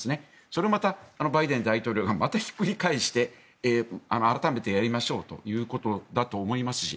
それをバイデン大統領がまたひっくり返して改めてやりましょうということだと思いますし。